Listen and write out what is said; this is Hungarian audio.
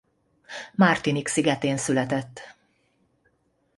Martinique szigetén született.